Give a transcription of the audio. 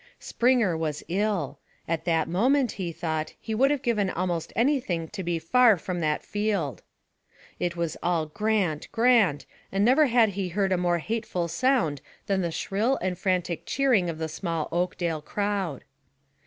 Springer was ill; at that moment, he thought, he would have given almost anything to be far from that field. It was all Grant, Grant, and never had he heard a more hateful sound than the shrill and frantic cheering of the small Oakdale crowd.